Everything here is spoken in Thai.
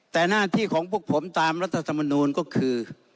แต่หน้าที่ของพวกผมตามรัฐธรรมนูลก็คือ